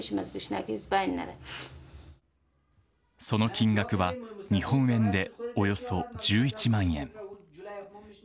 その金額は、日本円でおよそ１１万円。